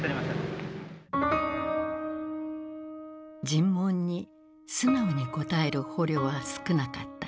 尋問に素直に答える捕虜は少なかった。